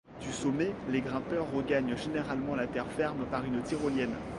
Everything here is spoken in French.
Du sommet les grimpeurs regagnent généralement la terre ferme par une tyrolienne.